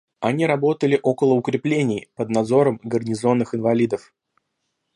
Они работали около укреплений, под надзором гарнизонных инвалидов.